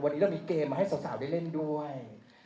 วันนี้เรามีเกมมาให้สาวได้เล่นด้วย